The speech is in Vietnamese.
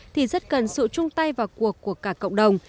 thì rất cần sự chung tay vào cuộc của cả cộng đồng